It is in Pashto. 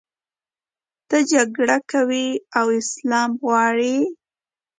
ته جګړه کوې او اسلام غواړې.